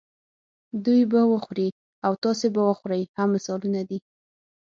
دوی به وخوري او تاسې به وخورئ هم مثالونه دي.